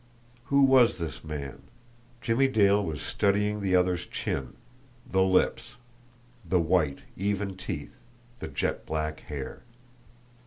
Who was this man? Jimmie Dale was studying the other's chin, the lips, the white, even teeth, the jet black hair.